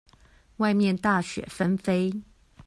外面大雪紛飛